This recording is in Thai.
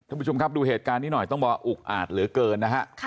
ท่านผู้ชมครับดูเหตุการณ์นี้หน่อยต้องบอกอุกอาจเหลือเกินนะฮะ